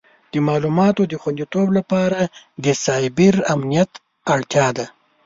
د معلوماتو د خوندیتوب لپاره د سایبر امنیت اړتیا ده.